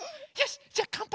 じゃあかんぱいしよう。